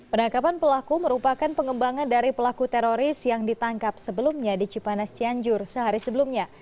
penangkapan pelaku merupakan pengembangan dari pelaku teroris yang ditangkap sebelumnya di cipanas cianjur sehari sebelumnya